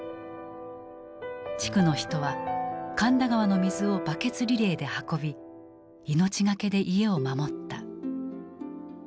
地区の人は神田川の水をバケツリレーで運び命懸けで家を守った。